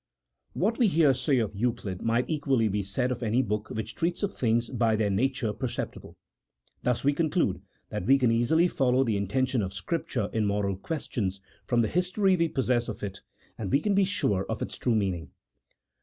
What we here say of Euclid might equally be said of any book which treats of things by their nature perceptible : thus we conclude that we can easily follow the intention of Scripture in moral questions, from the history we possess of it, and we can be sure of its true meaning.